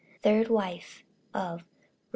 THIRD WIFE OF REV.